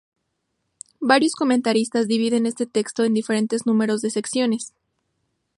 Varios comentaristas dividen este texto en diferentes números de secciones.